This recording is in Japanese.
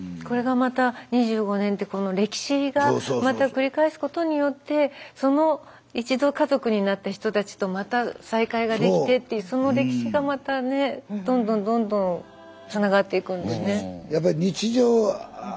これがまた２５年ってこの歴史がまた繰り返すことによってその一度家族になった人たちとまた再会ができてっていうその歴史がまたねどんどんどんどんつながっていくんですね。